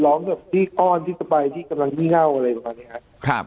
ร้องแบบที่อ้อนที่สบายที่กำลังขี้เง่าอะไรประมาณนี้ครับ